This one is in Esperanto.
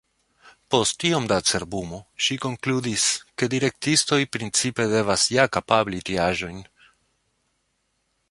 Post iom da cerbumo ŝi konkludis, ke direktistoj principe devas ja kapabli tiaĵojn.